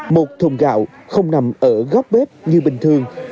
một thùng gạo không nằm ở góc bếp như bình thường